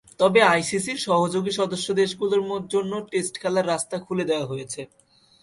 তবে আইসিসির সহযোগী সদস্যদেশগুলোর জন্য টেস্ট খেলার রাস্তা খুলে দেওয়া হয়েছে।